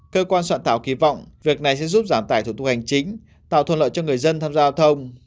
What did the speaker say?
cơ quan soạn thảo kỳ vọng việc này sẽ giúp giảm tải thủ tục hành chính tạo thuận lợi cho người dân tham gia giao thông